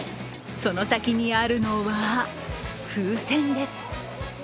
その先にあるのは風船です。